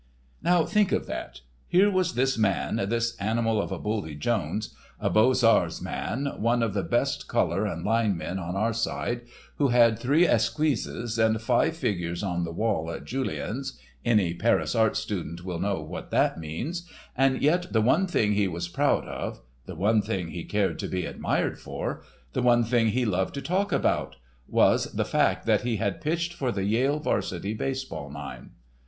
Now think of that! Here was this man, "This Animal of a Buldy Jones," a Beaux Arts man, one of the best colour and line men on our side, who had three esquisses and five figures "on the wall" at Julien's (any Paris art student will know what that means), and yet the one thing he was proud of, the one thing he cared to be admired for, the one thing he loved to talk about, was the fact that he had pitched for the Yale 'varsity baseball nine.